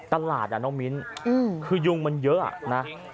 ตลาดน้องมิ้นคือยุงมันเยอะนะ